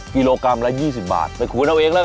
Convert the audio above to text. กิโลกรัมละ๒๐บาทไปขูนเอาเองแล้วกัน